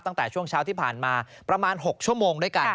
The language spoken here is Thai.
ตั้งแต่ช่วงเช้าที่ผ่านมาประมาณ๖ชั่วโมงด้วยกัน